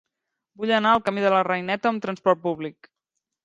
Vull anar al camí de la Reineta amb trasport públic.